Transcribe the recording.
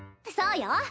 そうよ。